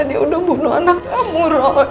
dia udah bunuh anak kamu roy